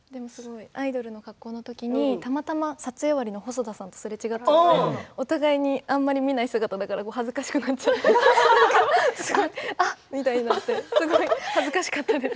アイドルの格好の時にたまたま撮影終わりの細田さんとすれ違ったのにお互いにあまり見ない姿だから恥ずかしくなっちゃってああ、みたいになって恥ずかしかったです。